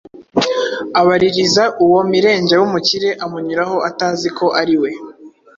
abaririza uwo Mirenge w’umukire, amunyuraho atazi ko ari we.